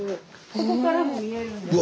ここからも見えるんですけど。